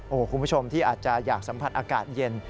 โอ้โหคุณผู้ชมที่อาจจะอยากสัมผัสอากาศเย็น